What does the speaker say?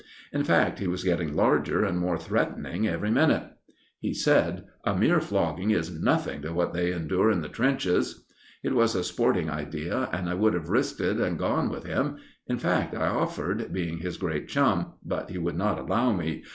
In fact, he was getting larger and more threatening every minute. He said: "A mere flogging is nothing to what they endure in the trenches." It was a sporting idea, and I would have risked it and gone with him; in fact, I offered, being his great chum, but he would not allow me.